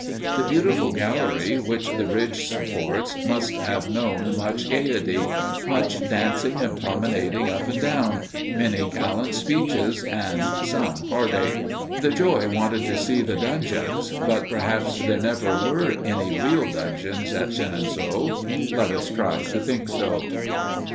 The beautiful gallery which the bridge supports must have known much gaiety; much dancing and promenading up and down; many gallant speeches and some heartache. The Joy wanted to see the dungeons, but perhaps there never were any real dungeons at Chenonceaux. Let us try to think so.